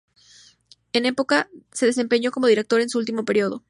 En "Época" se desempeñó como director en su último período.